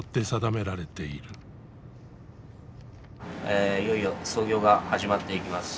ええいよいよ操業が始まっていきます。